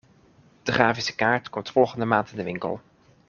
De grafische kaart komt volgende maand in de winkel.